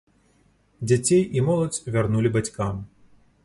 Дзяцей і моладзь вярнулі бацькам.